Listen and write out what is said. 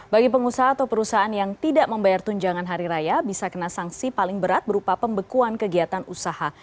bagi pengusaha atau perusahaan yang tidak membayar tunjangan hari raya bisa kena sanksi paling berat berupa pembekuan kegiatan usaha